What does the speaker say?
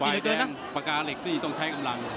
แดงปากกาเหล็กนี่ต้องใช้กำลัง